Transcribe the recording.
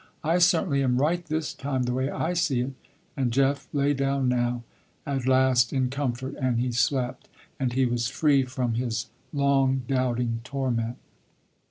I certainly am right this time the way I see it." And Jeff lay down now, at last in comfort, and he slept, and he was free from his long doubting torment.